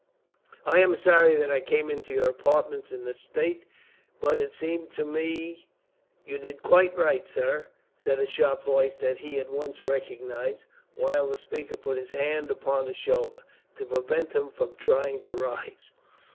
"I am sorry that I came into your apartments in this state, but it seemed to me " "You did quite right, sir," said a sharp voice that he at once recognized, while the speaker put his hand upon his shoulder, to prevent him from trying to rise.